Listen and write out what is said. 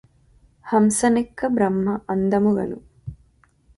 హంసనెక్కె Brahma అందముగను